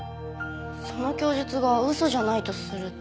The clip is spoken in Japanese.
その供述が嘘じゃないとすると。